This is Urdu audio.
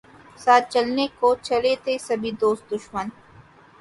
ساتھ چلنے کو چلے تھے سبھی دوست دشمن